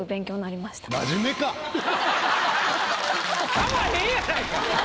かまへんやないか。